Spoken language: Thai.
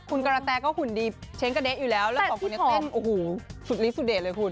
คุณกระแตก็หุ่นดีเช้งกระเด๊ะอยู่แล้วแล้วสองคนนี้เต้นโอ้โหสุดลิสุดเดชเลยคุณ